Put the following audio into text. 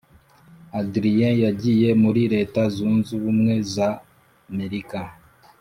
adrien yagiye muri leta zunze ubumwe z’amerika